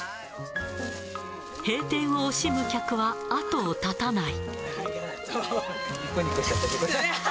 閉店を惜しむ客は後を絶たない。